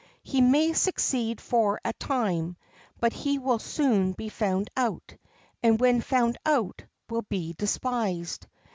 He may succeed for a time; but he will soon be found out, and when found out will be despised.